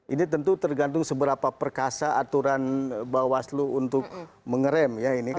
ini tentu tergantung seberapa perkasa aturan bawaslu untuk mengerem ya ini